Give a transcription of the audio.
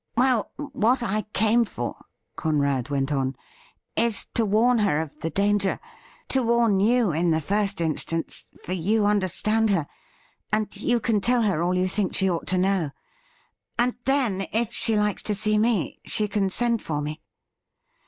' Well, what I came for,' Conrad went on, ' is to warn her of the danger — to warn you in the first instance, for you understand her, and you can tell her aU you think she ought to know — and then, if she likes to see me, she can send for me.'